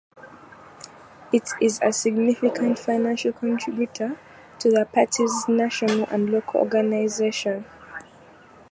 It is a significant financial contributor to the Party's national and local organisation.